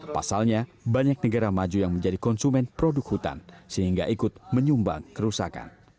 pasalnya banyak negara maju yang menjadi konsumen produk hutan sehingga ikut menyumbang kerusakan